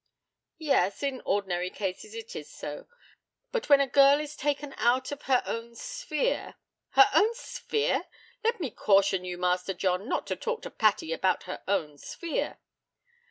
'Yes, in ordinary cases it is so; but when a girl is taken out of her own sphere ' 'Her own sphere! Let me caution you, Master John, not to talk to Patty about her own sphere.'